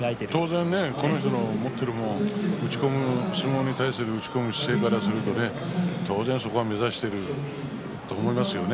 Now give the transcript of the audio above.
当然、この人のね相撲に対する打ち込む姿勢からするとね、そこを目指していると思いますよね。